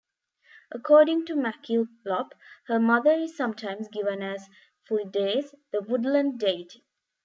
According to MacKillop, 'her mother is sometimes given as Flidais, the woodland deity.